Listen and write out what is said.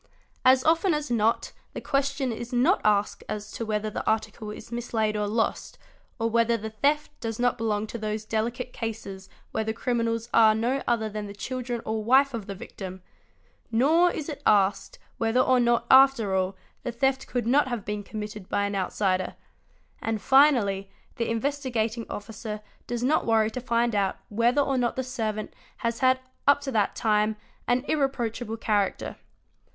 As often as not the question is not asked as to wehiehbas the article is mislaid or lost, or whether the theft does not belong to those delicate cases where the criminals are no other than the children or wife of the victim; nor is it asked whether or not, after all, the theft could not have been committed by an outsider; and finally the Investigating Officer does not worry to find out whether or not the servant has had up to that time an irreproachable character.